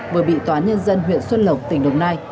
vừa bị tòa nhân dân huyện xuân lộc tỉnh đồng nai